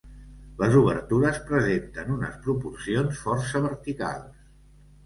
Les obertures presenten unes proporcions força verticals.